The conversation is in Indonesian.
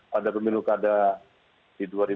pada pemilu kada di dua ribu dua puluh